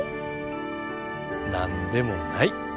何でもない。